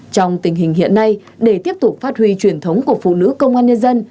trong tình hình hiện nay để tiếp tục phát huy truyền thống của phụ nữ công an nhân dân